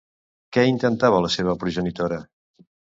Què intentava la seva progenitora?